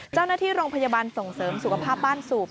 เจ้าหน้าที่โรงพยาบาลส่งเสริมสุขภาพบ้านสูบ